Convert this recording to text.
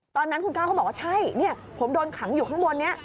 ตอนนั้นคุณก้าวเขาบอกว่าใช่ผมโดนขังอยู่ข้างบนนี้